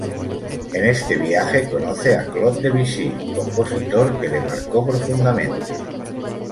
En este viaje conoce a Claude Debussy, compositor que le marcó profundamente.